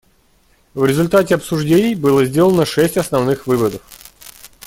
В результате обсуждений было сделано шесть основных выводов.